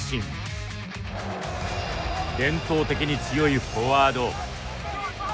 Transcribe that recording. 伝統的に強いフォワード。